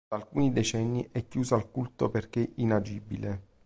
Da alcuni decenni è chiusa al culto perché inagibile.